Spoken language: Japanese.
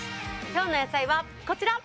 今日の野菜はこちら。